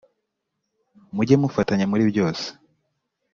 mujye mufatanya muri byose